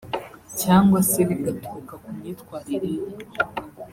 cyangwa se bigaturuka ku myitwarire ye